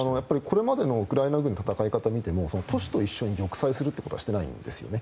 これまでのウクライナ軍の戦い方を見ても都市と一緒に玉砕するということはしていないんですよね。